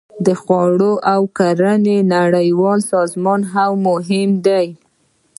د خوړو او کرنې نړیوال سازمان هم مهم دی